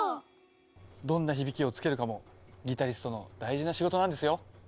どんな響きをつけるかもギタリストの大事な仕事なんですよ。